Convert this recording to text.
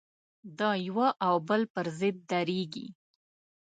د یوه او بل پر ضد درېږي.